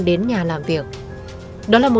vì chúng đều đã trưởng thành